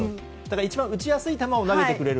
一番打ちやすいものを投げてくれる。